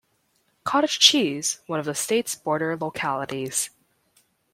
Cottage cheese, one of the state's border localities.